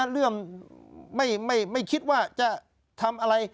เรื่องไม่คิดว่าจะทำอะไร